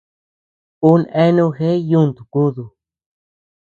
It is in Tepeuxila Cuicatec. Uu eanu jeʼe yuntu kúdu.